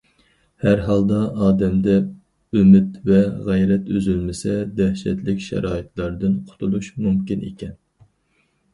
ھەر ھالدا ئادەمدە ئۈمىد ۋە غەيرەت ئۈزۈلمىسە، دەھشەتلىك شارائىتلاردىن قۇتۇلۇش مۇمكىن ئىكەن.